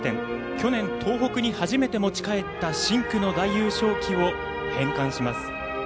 去年、東北に初めて持ち帰った深紅の大優勝旗を返還します。